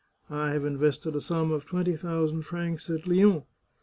I have invested a sum of twenty thousand francs at Lyons.